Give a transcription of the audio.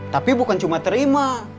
tapi bukan cuma terima